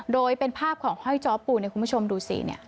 โดยเป็นภาพของห้อยจ้อปูเนี่ยคุณผู้ชมดูสิเนี่ย